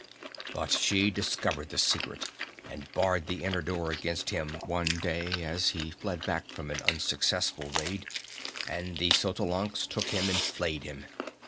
But she discovered the secret, and barred the hidden door against him one day as he fled back from an unsuccessful raid, and the Xotalancas took him and flayed him.